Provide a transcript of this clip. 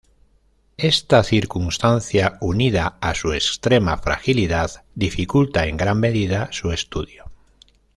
Esta circunstancia, unida a su extrema fragilidad dificulta en gran medida su estudio.